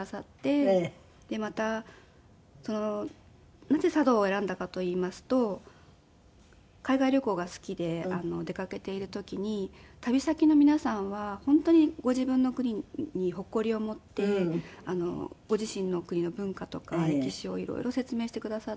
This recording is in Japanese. またなぜ茶道を選んだかといいますと海外旅行が好きで出かけている時に旅先の皆さんは本当にご自分の国に誇りを持ってご自身の国の文化とか歴史を色々説明してくださって。